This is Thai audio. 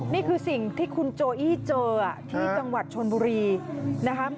นี่คือสิ่งที่คุณโจอี้เจอที่จังหวัดชนบุรีนะคะ